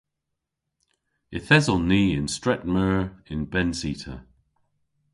Yth eson ni y'n stret meur y'n benncita.